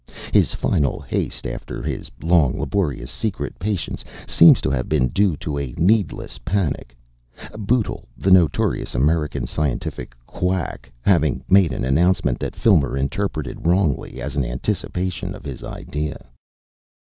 His final haste after his long laborious secret patience seems to have been due to a needless panic, Bootle, the notorious American scientific quack, having made an announcement that Filmer interpreted wrongly as an anticipation of his idea.